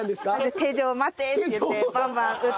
手錠を「待てー！」って言ってバンバン撃って。